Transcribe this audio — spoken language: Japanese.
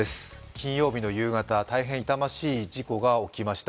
金曜日の夕方、大変痛ましい事故が起きました。